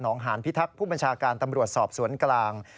หานพิทักษ์ผู้บัญชาการตำรวจสอบสวนกลาง